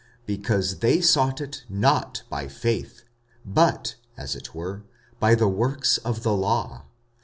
Because they sought it not by faith, but as it were by the works of the law.